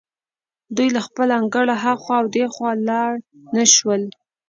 دوی له خپل انګړه هخوا او دېخوا لاړ نه شول.